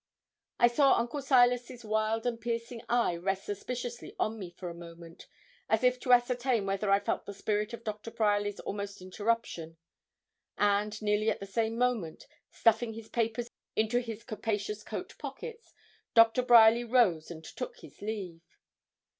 I saw Uncle Silas's wild and piercing eye rest suspiciously on me for a moment, as if to ascertain whether I felt the spirit of Doctor Bryerly's almost interruption; and, nearly at the same moment, stuffing his papers into his capacious coat pockets, Doctor Bryerly rose and took his leave.